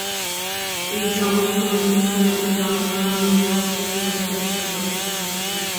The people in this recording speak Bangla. এই সমস্ত অধিবেশনে জনসাধারণের প্রবেশের অধিকার ছিল।